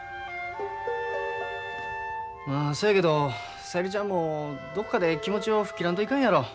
まあそやけど小百合ちゃんもどこかで気持ちを吹っ切らんといかんやろ。